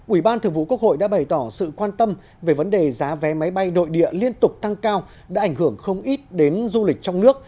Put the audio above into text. ủy ban thường vụ quốc hội đã bày tỏ sự quan tâm về vấn đề giá vé máy bay nội địa liên tục tăng cao đã ảnh hưởng không ít đến du lịch trong nước